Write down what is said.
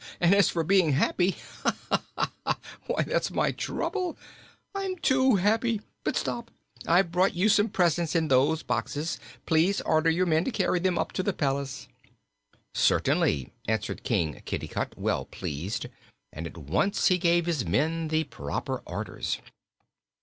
And as for being happy ha, ha, ha, ha! why, that's my trouble. I'm too happy. But stop! I've brought you some presents in those boxes. Please order your men to carry them up to the palace." "Certainly," answered King Kitticut, well pleased, and at once he gave his men the proper orders.